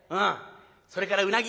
それからうなぎ。